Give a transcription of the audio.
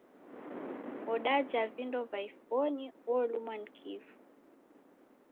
Wodaja vindo va ifonyi wolumwa ni kifu.